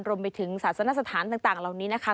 รวมไปถึงศาสนสถานต่างเหล่านี้นะคะ